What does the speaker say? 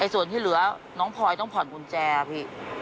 ส่วนที่เหลือน้องพลอยต้องผ่อนกุญแจพี่